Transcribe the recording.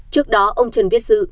trước đó ông trần viết dự